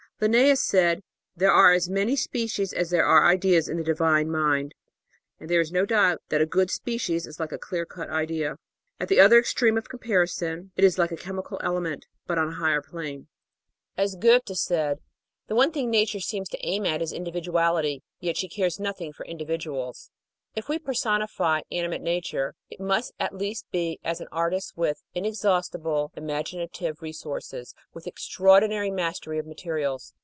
Linnaeus said: "There are as many species as there were ideas in the Divine Mind," and there is no doubt that a good species is like a clear cut idea. At the other extreme of comparison, it is like a chemical element, but on a higher plane. As Goethe said: "The one thing Nature seems to aim at is Individuality; yet she cares nothing for individuals." If we per sonify "Animate Nature," it must at least be as an artist with inexhaustible imaginative resources, with extraordinary mastery of materials.